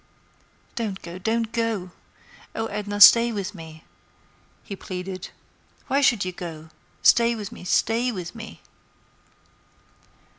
"Don't go; don't go! Oh! Edna, stay with me," he pleaded. "Why should you go? Stay with me, stay with me."